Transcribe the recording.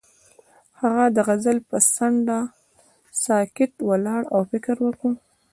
هغه د غزل پر څنډه ساکت ولاړ او فکر وکړ.